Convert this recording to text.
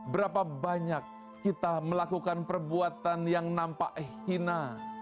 berapa banyak kita melakukan perbuatan yang nampak hina